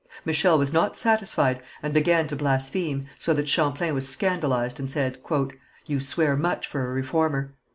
Michel was not satisfied and began to blaspheme, so that Champlain was scandalized, and said: "You swear much for a Reformer."